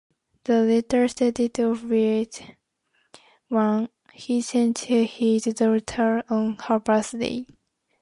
The letters start off with one he sends to his daughter on her birthday.